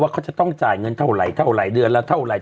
เขาจะต้องจ่ายเงินเท่าไหร่เท่าไหร่เดือนละเท่าไหร